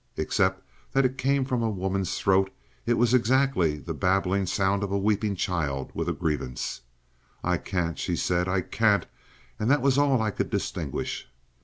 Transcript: Except that it came from a woman's throat it was exactly the babbling sound of a weeping child with a grievance. "I can't," she said, "I can't," and that was all I could distinguish.